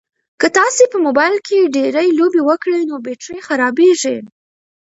که تاسي په موبایل کې ډېرې لوبې وکړئ نو بېټرۍ خرابیږي.